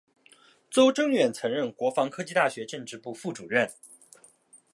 邹征远曾任国防科技大学政治部副主任。